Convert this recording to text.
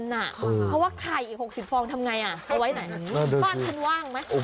เพราะว่าไข่อีก๖๐ฟองทำไงเอาไว้ไหนบ้านคุณว่างไหม